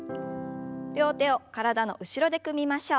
両手を体の後ろで組みましょう。